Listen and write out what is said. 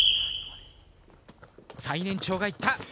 最年長がいった。